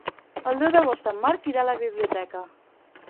El deu d'agost en Marc irà a la biblioteca.